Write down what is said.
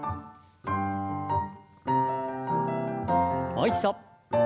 もう一度。